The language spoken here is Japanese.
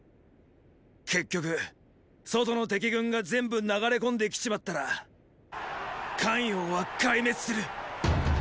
結局外の敵軍が全部流れ込んできちまったら咸陽は壊滅する！